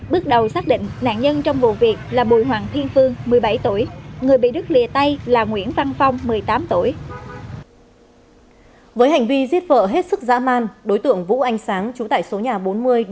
bước đầu xác định nạn nhân trong vụ việc là bùi hoàng thiên phương một mươi bảy tuổi